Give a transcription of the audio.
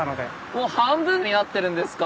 もう半分になってるんですか。